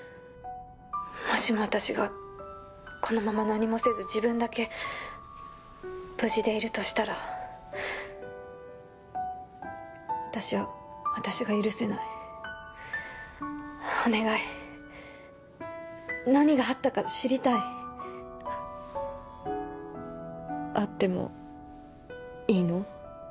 ☎もしも私がこのまま何もせず☎自分だけ無事でいるとしたら私は私が許せない☎お願い何があったか知りたい会ってもいいの？